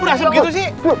kok berasap gitu sih